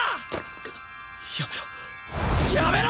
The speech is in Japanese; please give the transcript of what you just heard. あっやめろやめろ！